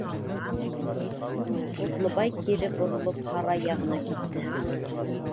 Ҡотлобай кире боролоп һарай яғына китә.